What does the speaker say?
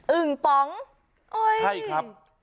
ึ่งป๋องโอ้ยใช่ครับ